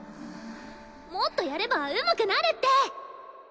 もっとやればうまくなるって！